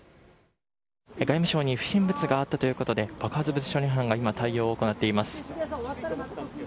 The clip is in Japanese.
外務省に不審物があったということで爆発物処理班が今、対応を行っています。